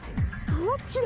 どっちだ？